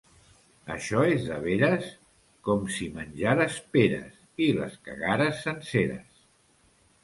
Això és de veres? —Com si menjares peres —I les cagares senceres.